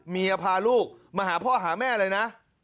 เมียพาลูกมาหาพ่อหาแม่เลยนะ